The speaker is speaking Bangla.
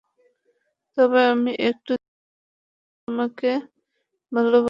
তবে আমি এটুকু জানি না সে আমাকে ভালোবাসে না ভাসে না।